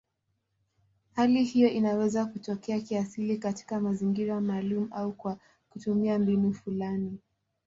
Hali hiyo inaweza kutokea kiasili katika mazingira maalumu au kwa kutumia mbinu fulani.